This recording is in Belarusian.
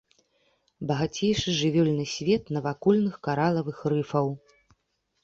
Багацейшы жывёльны свет навакольных каралавых рыфаў.